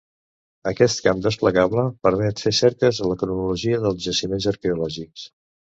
Aquest camp desplegable permet fer cerques de la cronologia dels jaciments arqueològics.